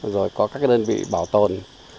và các đơn vị bảo tồn